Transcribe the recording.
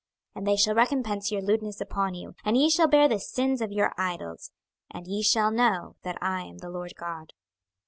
26:023:049 And they shall recompense your lewdness upon you, and ye shall bear the sins of your idols: and ye shall know that I am the Lord GOD.